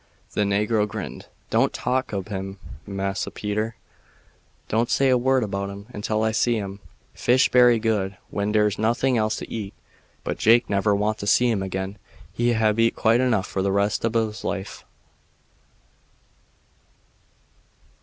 The negro grinned. "Don't talk ob him, Massa Peter; don't say a word about him until I see him. Fish bery good when dere's noting else to eat, but Jake never want to see him again. He hab eat quite enough for the rest ob his life."